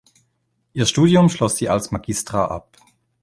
Ihr Studium schloss sie als Magistra ab.